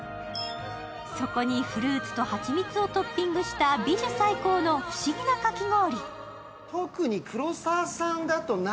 そこにフルーツと蜂蜜をトッピングしたビジュ最高の不思議なかき氷。